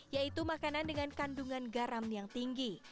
yaitu makanan dengan kandungan garam yang tinggi